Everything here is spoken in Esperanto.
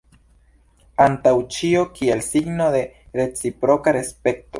Antaŭ ĉio kiel signo de reciproka respekto.